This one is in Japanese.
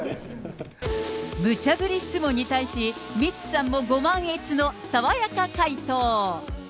無茶ぶり質問に対し、ミッツさんもご満悦の爽やか回答。